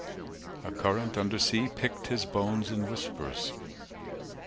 A current under sea 315 Picked his bones in whispers.